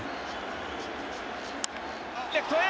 レフトへ！